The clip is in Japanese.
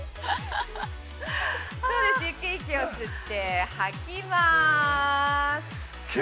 ◆ゆっくり息を吸って吐きます。